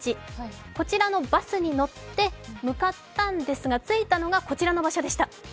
こちらのバスに乗って向かったんですが、着いたのがこちらの場所なんです。